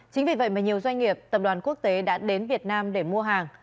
chính vì vậy mà nhiều doanh nghiệp tập đoàn quốc tế đã đến việt nam để mua hàng